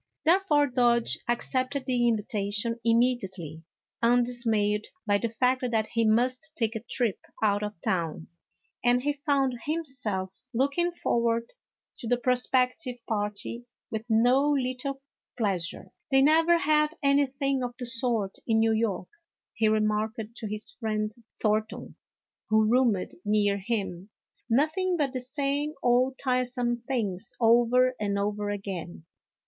Therefore Dodge accepted the invitation immediately, undismayed by the fact that he must take a trip out of town, and he found himself look A HALLOWE'EN PARTY. 235 ing forward to the prospective party with no little pleasure. " They never have anything of the sort in New York," he remarked to his friend Thornton, who roomed near him ;" nothing but the same old tire some things over and over again."